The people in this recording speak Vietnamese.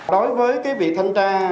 đối với vị thanh tra